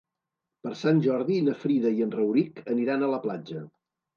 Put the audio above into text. Per Sant Jordi na Frida i en Rauric aniran a la platja.